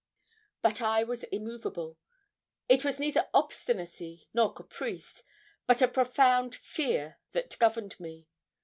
But I was immovable. It was neither obstinacy nor caprice, but a profound fear that governed me.